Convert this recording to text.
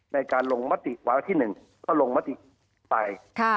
ในการลงมติวาระที่๑ก็ลงมติไป